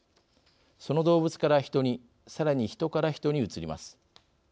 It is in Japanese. その動物からヒトにさらに、ヒトからヒトにうつります。